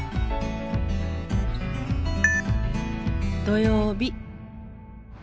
土曜日。